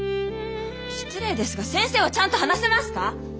失礼ですが先生はちゃんと話せますか？